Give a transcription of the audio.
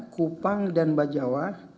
kupang dan bajawa